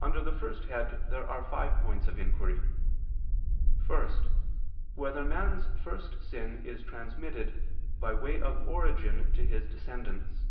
Under the first head there are five points of inquiry: (1) Whether man's first sin is transmitted, by way of origin to his descendants?